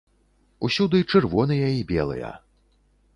Усюды чырвоныя і белыя.